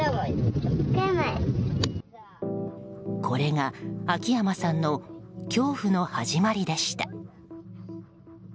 これが秋山さんの恐怖の始まりでした。